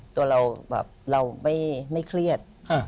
ตัวเราแบบเราไม่เครียด